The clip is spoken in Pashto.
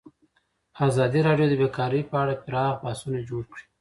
ازادي راډیو د بیکاري په اړه پراخ بحثونه جوړ کړي.